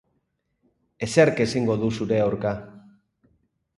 Ezerk ezingo du zure aurka.